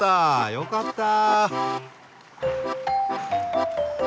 よかったあ。